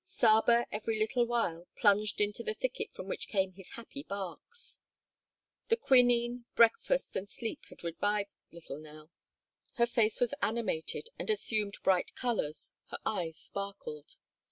Saba every little while plunged into the thicket from which came his happy barks. The quinine, breakfast, and sleep had revived little Nell. Her face was animated and assumed bright colors, her eyes sparkled.